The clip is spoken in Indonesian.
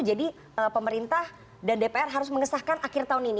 jadi pemerintah dan dpr harus mengesahkan akhir tahun ini